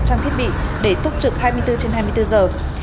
trang thiết bị để túc trực hai mươi bốn h trên hai mươi bốn h